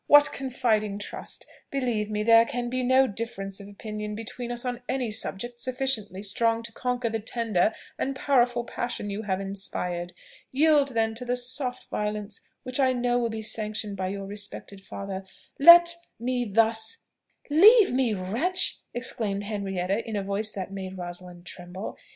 what confiding trust! Believe me, there can be no difference of opinion between us on any subject sufficiently strong to conquer the tender and powerful passion you have inspired. Yield then to the soft violence which I know will be sanctioned by your respected father let me thus " "Leave me, wretch!" exclaimed Henrietta in a voice that made Rosalind tremble.